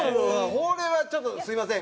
これはちょっとすみません。